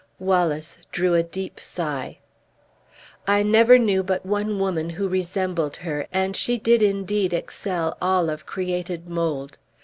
Wallace drew a deep sigh. "I never knew but one woman who resembled her, and she did indeed excel all of created mold.